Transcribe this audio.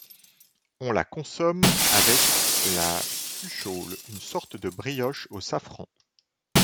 On la consomme avec la cuchaule, une sorte de brioche au safran.